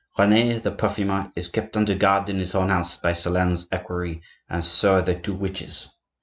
Rene, the perfumer, is kept under guard in his own house by Solern's equerry, and so are the two witches.